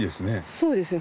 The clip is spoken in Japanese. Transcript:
そうですね